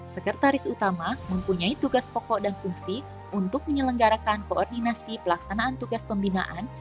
sekretaris utama mempunyai tugas pokok dan fungsi untuk menyelenggarakan koordinasi pelaksanaan tugas pembinaan